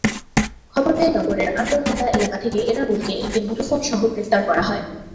খবর পেয়ে নগরের আন্দরকিল্লা এলাকা থেকে এনামুলকে একটি মুঠোফোনসহ গ্রেপ্তার করা হয়।